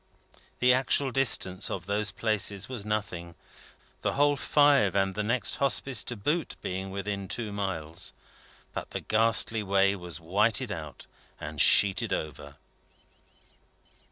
The actual distance of those places was nothing: the whole five, and the next Hospice to boot, being within two miles; but the ghastly way was whitened out and sheeted over.